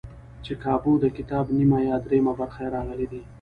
چې کابو دکتاب نیمه یا درېیمه برخه یې راغلي دي.